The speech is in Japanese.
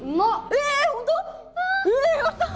え